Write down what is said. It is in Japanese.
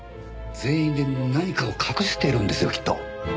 全員で何かを隠してるんですよきっと。